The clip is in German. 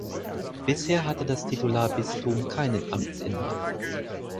Bisher hatte das Titularbistum keinen Amtsinhaber.